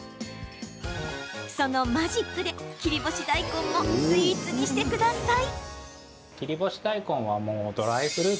そのマジックで切り干し大根もスイーツにしてください。